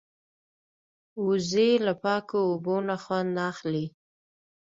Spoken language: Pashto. وزې له پاکو اوبو نه خوند اخلي